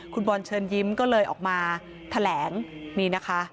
คุณบอลเชิญยิ้มก็เลยออกมาแถลงนี่นะคะ